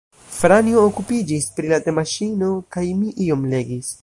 Franjo okupiĝis pri la temaŝino, kaj mi iom legis.